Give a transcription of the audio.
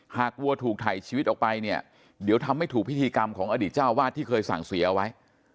วัวถูกถ่ายชีวิตออกไปเนี่ยเดี๋ยวทำไม่ถูกพิธีกรรมของอดีตเจ้าวาดที่เคยสั่งเสียเอาไว้